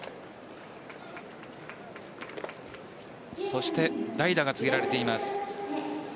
そして代打が告げられています。